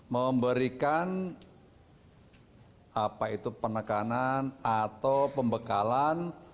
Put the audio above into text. memberikan apa itu penekanan atau pembekalan